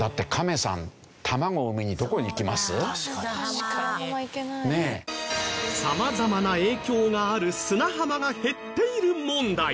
さまざまな影響がある砂浜が減っている問題。